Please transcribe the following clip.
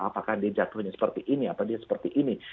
apakah dia jatuhnya seperti ini atau dia seperti ini